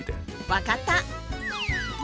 分かった。